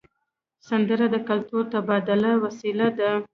سندره د کلتوري تبادلې وسیله ده